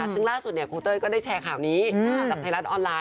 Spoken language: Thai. ซึ่งล่าสุดครูเต้ยก็ได้แชร์ข่าวนี้กับไทยรัฐออนไลน